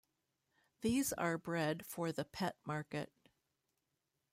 These are bred for the pet market.